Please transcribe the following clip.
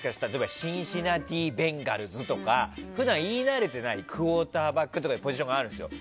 シンシナティベンガルズとか普段、言い慣れてないクオーターバックとかポジションがあるんですよ。